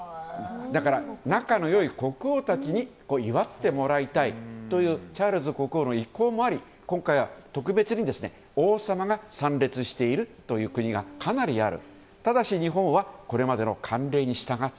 だから、仲の良い国王たちに祝ってもらいたいというチャールズ国王の意向もあり今回は特別に王様が参列しているという国がかなりある。